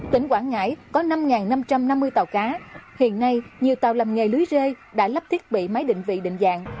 tỉnh quảng ngãi có năm năm trăm năm mươi tàu cá hiện nay nhiều tàu làm nghề lưới rơi đã lắp thiết bị máy định vị định dạng